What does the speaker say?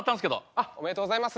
あっおめでとうございます。